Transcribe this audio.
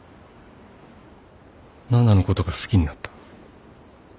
奈々のことが好きになった。